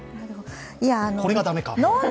これがだめか。